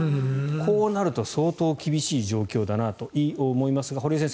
こうなると相当厳しい状況だなと思いますが堀江先生